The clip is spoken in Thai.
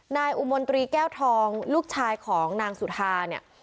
นายอุมนตรีแก้วทองลูกชายของนางสุธาเนี่ย